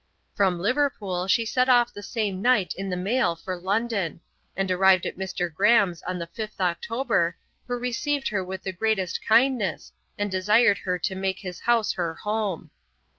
From Liverpool she set off the same night in the mail for London; and arrived at Mr. Graham's on the 5th October, who received her with the greatest kindness, and desired her to make his house her home.